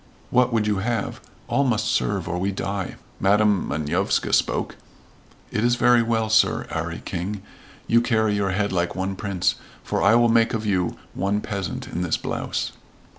"What would you have? All must serve or we die." Madam Manovska spoke, "It is well, Sir 'Arry King, you carry your head like one prince, for I will make of you one peasant in this blouse."